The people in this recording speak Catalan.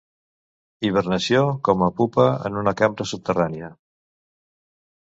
Hibernació com a pupa en una cambra subterrània.